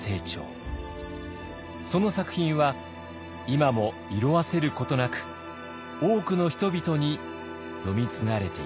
その作品は今も色あせることなく多くの人々に読み継がれています。